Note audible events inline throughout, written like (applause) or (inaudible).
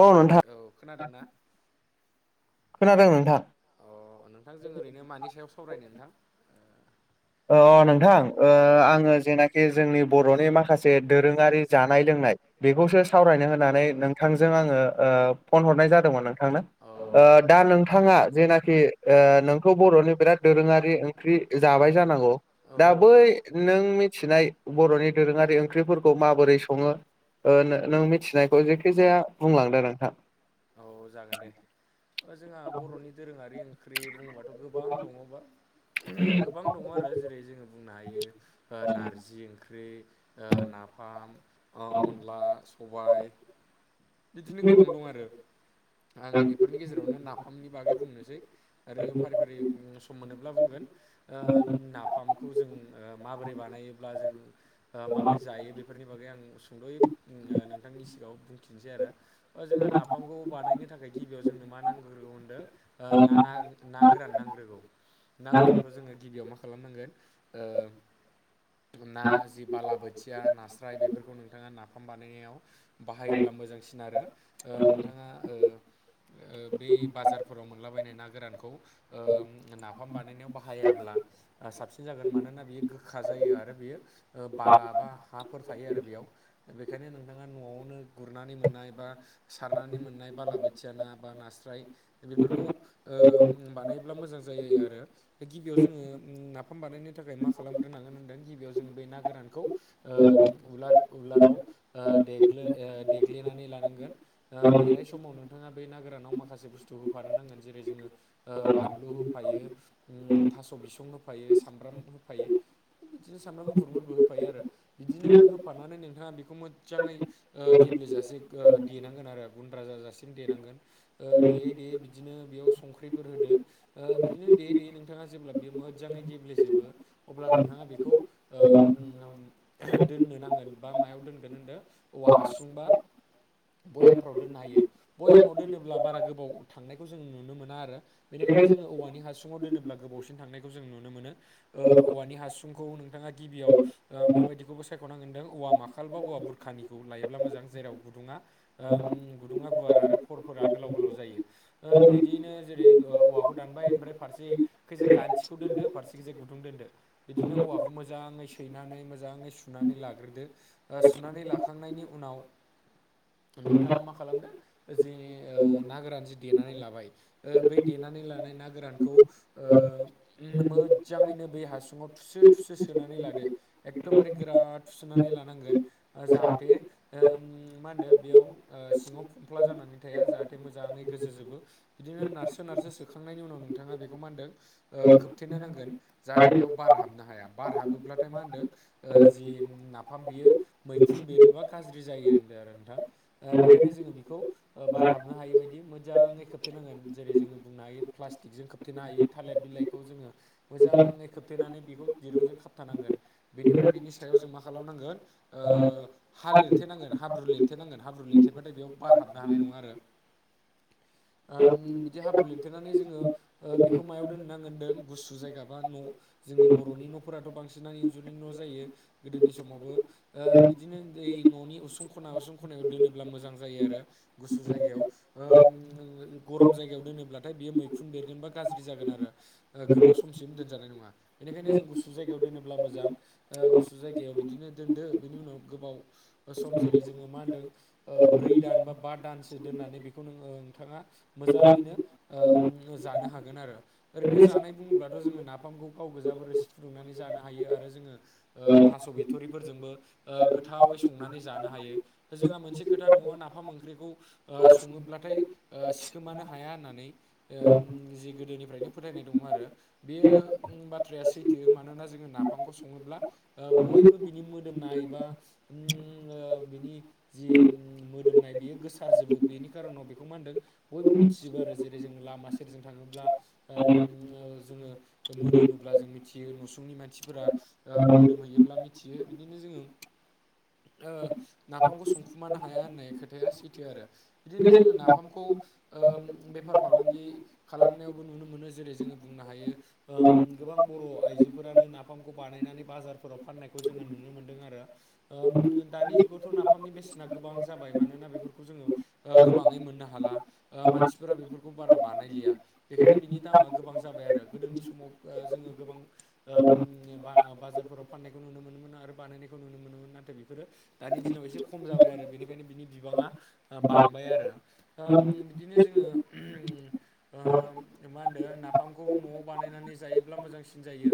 औ नोंथा औ खोनादोंना खोनादों नोंथां। अ नोंथां जों ओरैनो मानि सायाव सावरायनो नोंथां। ओ अ नोंथां ओ आङो जेनाखि जोंनि बर'नि माखासे दोरोङारि जानाय लोंनाय बेखौसो सावरायनो होननानै नोंथांजों आङो ओ फन हरनाय जादोंमोन नोंथांनो। औ ओ दा नोंथाङा जेनाखि ओ नों खौ बर'नि बिराद दोरोङारि ओंख्रि जाबाय जानांगौ औ दा बै नों मिथिनाय बर'नि दोरोङारि ओंख्रिफोरखौ माबोरै सङो? ओ नो नों मिथिनायखौ जेखिजाया बुंलांदो नोंथां। औ जागोन दे ओ जोंहा बर'नि दोरोङारि ओं ख्रि बुंबाथ' गोबां दङबा गोबां दङ आरो जेरै जोङो बुंनो हायो ओ नारजि ओंख्रि ओ नाफाम। ओ अनला स'बाय। बिदिनो गोबां दं आरो आं बेफोरनि गेजेरावनो नाफामनि बागै बुंनोसै। आरो फारि फारि सम मोनोब्ला बुंगोन। ओ उम नाफामखौ जों ओ माबोरै बानायोब्ला जों ओ माबोरै जायो बेफोरनि बागै आं सुंद'यै उम ओ नोंथांनि सिगाङाव बुंथिनोसै आरो। ओ जोंहा नाफामखौ बानायनो थाखाय गिबियाव जोंनो मा नांग्रोगौ होनदों ओ ना ना नागोरान नांग्रोगौ। ना गोरानखौ जोङो गिबियाव मा खालामनांगोन ओ ना जि बालाबोथिया नास्राय बेफोरखौ नोंथाङा नाफाम बानायनायाव बायोब्ला मोजांसिन आरो ओ नोंथाङा ओ ओ बै बाजारफोर मोनलाबायनाय ना गोरानखौ ओ नाफाम बानायनायाव बाहायाब्ला। ओ साबसिन जागोन मानोना बियो गोखा जायो आरो बियो ओ बाला बा हाफोर थायो आरो बेयाव बेखायनो नोंथाङा न'आवनो गुरनानै मोननाय बा सारनानै मोननाय बालाबोथिया ना बा नास्राय बेफोरखौ ओ बानायोब्ला मोजां जायो आरो दा गिबियाव जोङो उम नाफाम बानायनो थाखाय मा खालामग्रोनांगोन होनदों गिबियाव जोङो बे ना गोरानखौ ओ उलार उलाराव ओ देग्लो-देग्लिनानै लानांगोन। ओ देनाय समाव नोंथाङा बे ना गोरानाव माखासे बुस्थु नांगोन जेरै जोङो ओ बानलु होफायो उम थास' बिसं होफायो सामब्राम होफायो। बिदिनो सामब्राम गुफुरफोरबो होफायो आरो। बिदिनो होफानानै नोंथाङा बेखौ मोजाङै गेब्ले जासे ओ देनांगोन आरो गुन्द्रा जाजासिम देनांगोन। ओ देयै देयै बिदिनो बेयाव संख्रिफोर होदो। ओ बिदिनो देयै देयै नोंथाङा जेब्ला बेयो मोजाङै गेब्लेजोबो अब्ला नोंथाङा बेखौ ओ उम दोननो नांगोन बा मायाव दोनगोन होनदों औवा हासुं। बा भयामफ्राव दोननो हायो भयामफ्राव दोनोब्ला बारा गोबाव थांनायखौ जों नुनो मोना आरो। बेनिखायनो जोङो औवानि हासुङाव दोनोब्ला गोबावसिन थांनायखौ जों नुनो मोनो औवानि हासुं हासुंखौ नोंथाङा गिबियाव ओ माबायदिखौबो सायख'नांगोन होनदों औवा माखाल बा औवा बुरखानिखौ लायोब्ला मोजां। जां जेराव गुदुङा ओ उम गुदुङा गुवार आरो फरफोरा गोलाव गोलाव जायो। ओ बिदिनो जेरै औवाखौ दानबाय ओमफ्राय फारसे खैजा गान्थिखौ दोनदो फारसेखौ गुदुं दोनदो। बिदिनो औवाखौ मोजाङै सैनानै मोजाङै सुनानै लाग्रोदो। ओ सुनानै लाखांनायनि उनाव नोंथाङा मा खालामदों? जि ओ ना गोरान जि देनानै लाबाय ओ बै देनानै लानाय ना गोरानखौ ओ मोजाङैनो बे हासुङाव थुसो थुसो सोनानै लादो। एखदमबारे गोरा थुसननानै लानांगोन जाहाथे ओ मा होनदो बेयाव सिङाव खंक्ला जानानै थाया जाहाथे मोजाङै गोजोजोबो। बिदिनो नारसो नारसो सोखांनायनि उनाव नोंथाङा बेखौ मा होनदों? खोबथेनो नांगोन जाहाथे बेयाव बार हाबनो हाया। बार हाबोब्लाथाय मा होनदों ओ जि नाफाम बियो मैखुन बेरोबा गाज्रि जायो होनदों आरो नोंथां दा बेखायनो जोङो बेखौ ओ बार हाबनो हायै बायदि मोजाङै खोबथेनांगोन जेरै जोङो बुंनो हायो प्लास्टिकजों खोबथे खोबथेनो हायो थालिर बिलाइखौ जोङो मोजाङै खोबथेनानै बेखौ दिरुंजों खाबथानांगोन। बेनिफ्राय बिनि सायाव जों मा खालामनांगोन ओ हा लिरथेनांगोन हाब्रु लिरथेनांगोन हाब्रु लिरथेबाथाय बेयाव बार हाबनो हानाय नङा आरो। ओम बिदि हाब्रु लिरथेनानै जोङो ओ बेखौ मायाव दोननांगोन होनदों गुसु जायगा बा न' जोंनि बर'नि न'फोराथ' बांसिनानो इन्जुरनि न' जायो गोदोनि समावबो ओ बिदिनो दै न'नि उसुं खना उसुं खनायाव दोनोब्ला जायो गुसु जायगायाव। ओम गरम जायगायाव दोनोब्लाथाय बियो मैखुन बेरगोन बा गाज्रि जागोन आरो गोबाव समसिम दोनजानाय नङा बेनिखायनो जों गुसु जायगायाव दोनोब्ला मोजां। गुसु जायगायाव बिदिनो दोनदो बेनि उनाव गोबाव सम जेरै जोङो मा होनदों ब्रै दान बा बा दानसो दोननानै बेखौ नों नोंथाङा मोजाङैनो जानो हागोन आरो। ओरैनो जानाय बुङोब्लाथ' जोङो नाफामखौ गाव गोजाबो रोसि फुदुंनानै जानो हायो आरो जोङो थास' बिथ'रिफोरजोंबो गोथावै संनानै जानो हायो। जोंहा मोनसे खोथा दङ नाफाम ओंख्रिखौ सङोब्लाथाय सिखोमानो हाया होननानै ओ जिस गोदोनिफ्रायनो फोथायनाय दङ आरो। बेयो बाथ्राया सैथो मानोना जोङो नाफामखौ सङोब्ला बयबो बिनि मोदोमनाय बा ओम बिनि जि मोदोमनाय बियो गोसारजोबो बेनि खारनाव बेखौ मा होनदों बयबो मिथिजोबो आरो जेरै जोंङो लामा सेरजों थाङोब्ला जोङो मोदोमोब्ला जों मिथियो न'सुंनि मानसिफोरा ओ मोदोमहैयोब्ला मिथियो बिदिनो जोङो नाफामखौ संखुमानो हाया होननाय खोथाया सैथो आरो बिदिनो जोङो नाफामखौ बेफार फालांगि खालामनायावबो नुनो मोनो जेरै जोङो बुंनो हायो गोबां बर' आइजोफोरानो नाफामखौ बानायनानै बाजारफोराव फाननायखौ जोङो नुनो मोन्दों आरो। ओम दानि जुगावथ' नाफामनि बेसेना गोबां जाबाय मानोना बेफोरखौ जोङो गोबाङै मोननो हाला मानसिफोरा बेफोरखौ बारा बानायलिया बेखायनो बिनि दामा गोबां जाबाय आरो गोदोनि समाव जोङो गोबां बाजारफोराव फाननायखौ नुनो मोनोमोन आरो बानायनायखौ नुनो मोनोमोन नाथाय बेफोरो दानि दिनाव एसे खम जाबाय आरो बेनिखायनो बिनि बिबाङा बांबाय आरो बिदिनो जोङो मा होदो नाफामखौ न'आव बानायनानै जायोब्ला मोजांसिन जायो।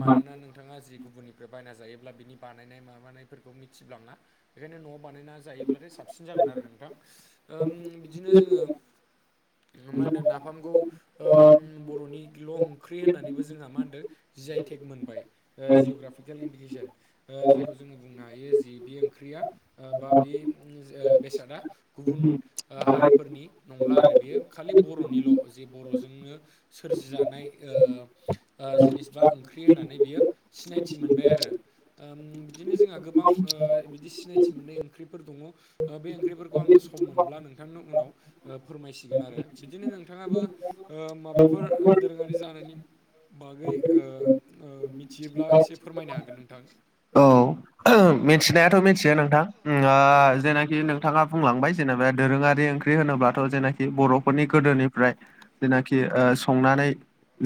मानोना नोंथाङा जि गुबुननिफ्राय बायना जायोब्ला बिनि बानायनाय माबानाय फोरखौ मिथिब्लांङा बेखायनो न'आव बानायना जायोब्लाथाय साबसिन जागोन आरो नोंथां। बिदिनो जोङो मा होनदों नाफामखौ बर'निल' ओंख्रि होननानैबो जोंहा मा होनदों जि आइ टेग मोनबाय। जिअ'ग्राफिकेल इन्डिकेसन जायखौ जोङो बुंनो हायो जि बे ओंख्रिया बा बे बेसादा गुबुन हारिफोरनि नंला आरो बेयो खालि बर'निल' जे बर'जोंनो सोरजिजानाय जिनिस बा ओंख्रि होननानै बियो सिनायथि मोनबाय आरो ओम बि दिनो जोंहा गोबां बिदि सिनायथि मोननाय ओंख्रिफोर दङ बे ओंख्रिफोरखौ आङो सम मोनब्ला नोंथांनि उनाव फोरमायसिगोन आरो बिदिनो नोंथाङाबो माबाफोर दोरोङारि जानायनि बागै मिथियोब्ला एसे फोरमायनो हागोन नोंथां। औ मिथिनायाथ' मिथियो नोंथां ओम जेनाखि नोंथाङा बुंलांबाय जेनेबा दोरोङारि ओंख्रि होनोब्लाथ' जेनाखि बर'फोरनि गोदोनिफ्राय जेनाखि संनानै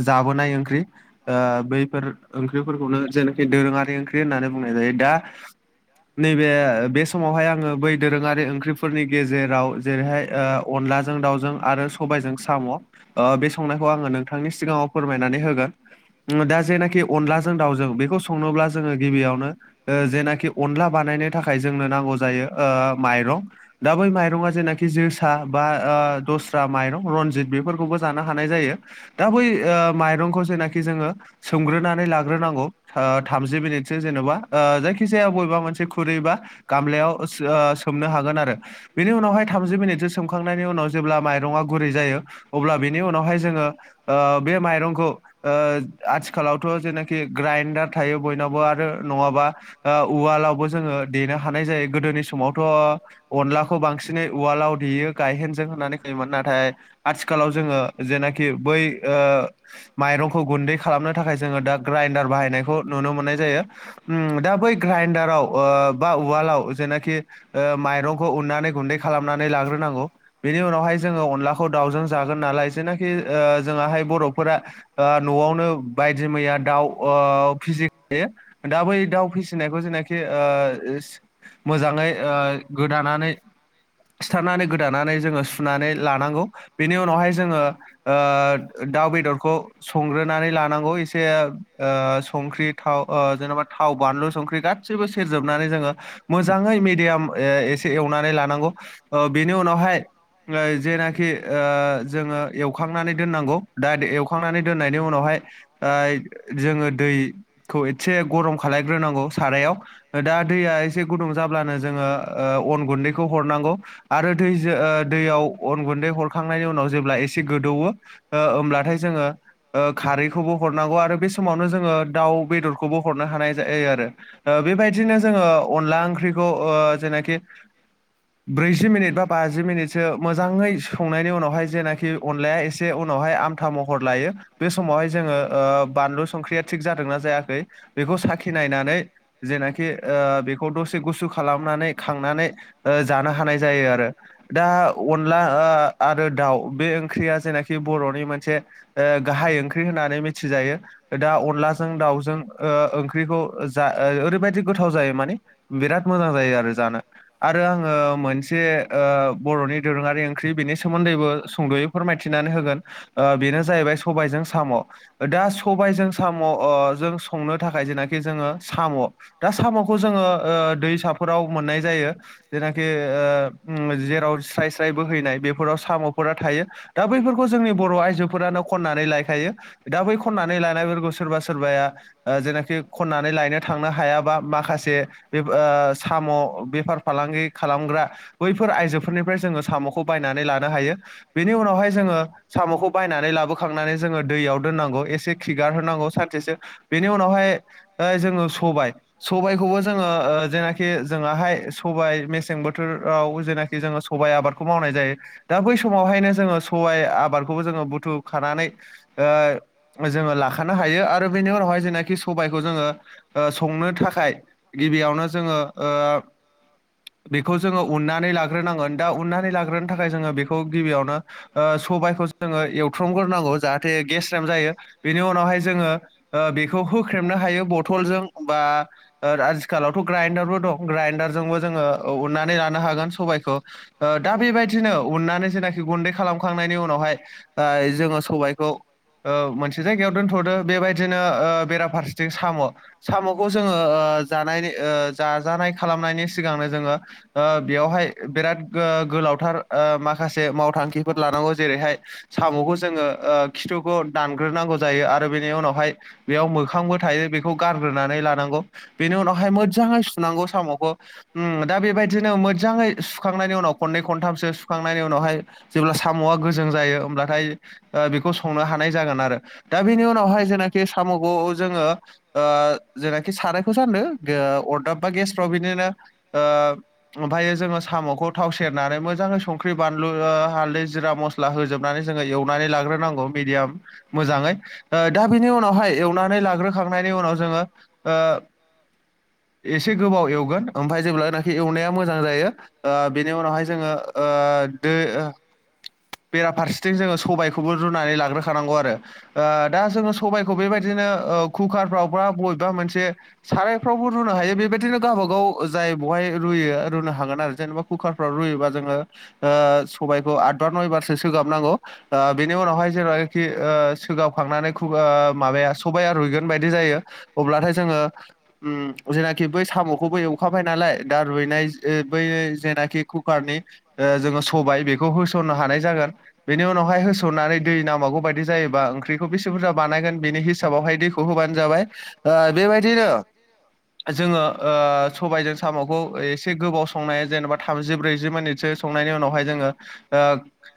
जाबोनाय ओंख्रि ओ बैफोर ओंख्रिफोरखौनो जेनाखि दोरोङारि ओंख्रि होननानै बुंनाय जायो दा नैबे बे समावहाय आङो बै दोरोङारि ओंख्रिफोरनि गेजेराव जेरैहाय अनलाजों दाउजों आरो सबायजों साम' अ बे संनायखौ आङो नोंथांनि सिगाङाव फोरमायनानै होगोन उम दा जेनाखि अनलाजों दाउजों बेखौ संनोब्ला जोङो गिबियावनो ओ जेनाखि अनला बानायनो थाखाय जोंनो नांगौ जायो ओ माइरं दा बै माइरंआ जेनाखि जोसा बा ओ दस्रा माइरं रनजित बेफोरखौबो जानो हानाय जायो। दा बै ओ माइरंखौ जेनाखि जोङो सोमग्रोनानै लाग्रोनांगौ ओ थामजि मिनिटसो जेन'बा ओ जायखि जायखि जाया बबेबा मोनसे खुरैबा गामलायाव ओ सोमनो हागोन आरो बेनि उनावहाय थामजि मिनिटसो सोमखांनायनि उनाव जेब्ला माइरङा गुरै जायो अब्ला बेनि उनावहाय जोङो ओ बे माइरंखौ ओ आथिखालावथ' जेनाखि ग्राइन्डार थायो बयनावबो आरो नङाबा ओ उवालावबो जोङो देनो हानाय जायो गोदोनि समावथ' अनलाखौ बांसिनै उवालाव देयो गायहेनजों होननानै (unintelligible) मोन नाथाय आथिखालाव जोङो जेनाखि बै ओ माइरंखौ गुन्दै खालामनो थाखाय जोङो दा ग्राइन्डार बाहायनायखौ नुनो मोननाय जायो। उम दा बै ग्राइडाराव ओ बा उवालाव जेनाखि ओ माइरंखौ उननानै गुन्दै खालामनानै लाग्रोनांगौ। बेनि उनावहाय जोङो अनलाखौ दाउजों जागोन नालाय जेनाखि ओ जोङोहाय बर'फोरा ओ न'आवनो बायदि मैया दाउ ओ (unintelligible) फिसिखायो दा बै दाउ फिसि फिसिनायखौ जेनाखि ओ मोजाङै ओ गोदानानै सिथारनानै गोदानानै जोङो सुनानै लानांगौ बेनि उनावहाय जोङो ओ दाउ बेदरखौ संग्रोनानै लानांगौ एसे ओ संख्रि थाव ओ जेनबा थाव बानलु संख्रि गासिबो सेरजोबनानै जोङो मोजाङै मेडियाम एसे एवनानै लानांगौ। ओ बेनि उनावहाय ओ जेनाखि ओ जोङो एवखांनानै दोननांगौ दा एवखांनानै दोननायनि उनावहाय ओ जोङो दैखौ एतसे गरम खालायग्रोनांगौ सारायाव दा दैया एसे गुदुं जाब्लानो जोङो ओ अन गुन्दैखौ हरनांगौ आरो दैजों दैयाव अन गुन्दै हरखांनायनि उनाव जेब्ला एसे गोदौवो ओ होमब्लाथाय जोङो ओ खारैखौबो हरनांगौ आरो बे समावनो जोङो दाव बेदरखौबो हरनो हानाय जायो आरो। ओ बेबायदिनो जोङो अनला ओंख्रिखौ ओ जेनाखि ब्रैजि मिनिट बा बाजि मिनिटसो मोजाङै संनायनि उनावहाय जेनाखि अनलाया एसे उनावहाय आम था महर लायो बे समावहाय जोङो ओ बानलु संख्रिया थिग जादोंना जायाखै बेखौ साखि नायनानै जेनाखि ओ बेखौ दसे गुसु खालामनानै खांनानै ओ जानो हानाय जायो आरो। दा अनला ओ आरो दाउ बे ओंख्रिया जेनाखि बर'नि मोनसे ओ गाहाय ओंख्रि होननानै मिथिजायो दा अनलाजों दाउजों ओ ओंख्रिखौ जा ओरैबायदि गोथाव जायो माने बिराद मोजां जायो आरो जानो। आरो आङो मोनसे ओ बर'नि दोरोङारि ओंख्रि बेनि सोमोन्दैबो सुंद'यै फोरमायथिनानै होगोन ओ बेनो जाहैबाय सबायजों साम'। दा सबायजों साम' ओ जों संनो थाखाय जेनाखि जोङो साम' दा साम'खौ जोङो ओ दैसाफोराव मोननाय जायो। जेनाखि ओ उम जेराव स्राय स्राय बोहैनाय बेफोराव साम'फोरा थायो। दा बैफोरखौ जोंनि बर' आइजोफोरानो खननानै लायखायो। दा बै खननानै लानायफोरखौ सोरबा सोरबाया ओ जेनाखि खनना नानै लायनो थांनो हायाबा माखासे बे ओ साम' बेफार फालांगि खालामग्रा बैफोर आइजोफोरनिफ्राय जोङो साम'खौ बायनानै लानो हायो बेनि उनावहाय जोङो साम'खौ बायनानै लाबोखांनानै जोङो दैयाव दोननांगौ एसे खिगारहोनांगौ सानसेसो बेनि उनावहाय ओ जोङो सबाय सबायखौबो जोङो ओ जेनाखि जोंआहाय सबाइ मेसें बोथोराव जेना खि जोङो सबाय आबादखौ मावनाय जायो दा बै समावहायनो जोङो सबाइ आबादखौबो जोङो बुथु खानानै ओ जोङो लाखानो हायो आरो बेनि उनावहाय जेनाखि सबाइखौ जोङो ओ संनो थाखाय गिबियावनो जोङो ओ बेखौ जोङो उननानै लाग्रोनांगोन दा उननानै लाग्रोनो थाखाय जोङो बेखौ गिबियावनो ओ सबाइखौ जोङो एवथ्रमग्रोनांगौ जाहाथे गेस्रेम जायो बेनि उनावहाय जोङो ओ बेखौ होख्रेमनो हायो बथलजों बा ओ आथिखालावथ' ग्राइडारबो दं ग्राइडारजोंबो जोङो औ उननानै लानो हागोन सबायखौ ओ दा बेबायदिनो उननानै जेनाखि गुन्दै खालामखांनायनि उनावहाय ओ जोङो सबायखौ ओ मोनसे जायगायाव दोनथ'दो बेबायदिनो ओ बेराफारसेथिं साम' साम'खौ जोङो ओ जानायनि ओ जाजानाय खालामनायनि सिगांनो जोङो ओ बेयावहाय बेराद गो-गोलावथार ओ माखासे माव थांखिफोर लानांगौ जेरैहाय साम'खौ जोङो ओ खिथुखौ दानग्रोनांगो जायो आरो बेनि उनावहाय बेयाव मोखांबो थायो बे खौ गारग्रोनानै लानांगौ बेनि उनावहाय मोदजाङै सुनांगौ साम'खौ ओम दा बेबायदिनो मोजाङै सुखांनायनि उनाव खननै खनथामसो सुखांनायनि उनावहाय जेब्ला साम'आ गोजों जायो ओमब्लाथाय ओ बेखौ संनो हानाय जागोन आरो दा बेनि उनावहाय जेनाखि साम'खौ जोङो ओ जेनाखि सारायखौ जानदो ओ अरदाब बा गेसफ्राव बिदिनो ओ ओमफायो जोङो साम'खौ थाव सेरनानै मोजाङै संख्रि बानलु ओ हाल्दै जिरा म स्ला होजोबनानै जोङो एवनानै लाग्रोनांगौ मिडियाम मोजाङै ओ दा बिनि उनावहाय एवनानै लाग्रोखांनायनि उनाव जोङो ओ एसे गोबाव एवगोन ओमफाय जेब्लानो खि एवनाया मोजां जायो ओ बेनि उनावहाय जोङो ओ दो ओ बेराफारसेथिं जोङो सबाय खौबो रुनानै लाग्रोखानांगौ आरो ओ दा जोङो सबायखौ बेबायदिनो ओ कुकारफ्रावबा बबेबा मोनसे सारायफ्रावबो रुनो हायो बेबायदिनो गावबागाव जाय बहाय रुयो रुनो हागोन आरो जेनेबा कुकारफ्राव रुयोबा जोङो ओ सबायखौ आदबार नयबारसो सोगाबनांगौ ओ बेनि उनाव जेब्लानोखि ओ सोगाबखांनानै खुगा माबाया सबाइया रुइगोन बायदि जायो अब्लाथाय जोङो ओम जेनाखि बै साम'खौबो एवखाबाय नालाय दा रुइनायजो बै जेनाखि कुकारनि ओ जोङो स बाय बेखौ होसननो हानाय जागोन बेनि उनावहाय होसननानै दै नांबागौ बायदि जायोबा ओंख्रि खौ बेसे बुरजा बानायगोन बेनि हिसाबावहाय दैखौ होबानो जाबाय ओ बेबायदिनो जोङो ओ सबायजों साम' खौ एसे गोबाव संनाय जेनेबा थामजि ब्रैजि मिनिटसो संनायनि उनावहाय जोङो ओ